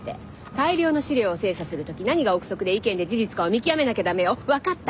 大量の資料を精査する時何が臆測で意見で事実かを見極めなきゃダメよ。分かった？